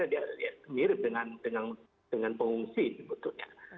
dan dia mirip dengan pengungsi sebetulnya